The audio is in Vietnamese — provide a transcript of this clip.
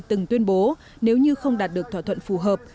từng tuyên bố nếu như không đạt được thỏa thuận